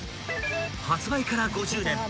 ［発売から５０年。